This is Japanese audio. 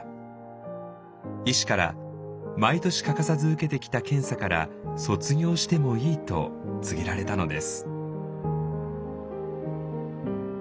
医師から毎年欠かさず受けてきた検査から卒業してもいいと告げられたのです。